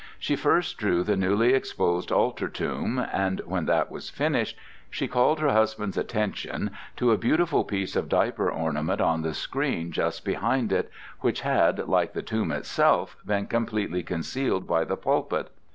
She first drew the newly exposed altar tomb, and when that was finished, she called her husband's attention to a beautiful piece of diaper ornament on the screen just behind it, which had, like the tomb itself, been completely concealed by the pulpit.